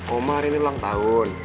omar ini ulang tahun